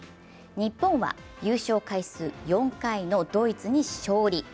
日本は優勝回数４回のドイツに勝利